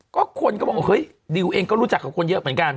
ก็คนก็บอกเฮ้ยดิวเองก็รู้จักกับคนเยอะเหมือนกัน